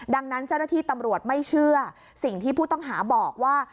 ดังนั้นเจ้าหน้าที่ตำรวจไม่เชื่อสิ่งที่ผู้ต้องหาบอกว่า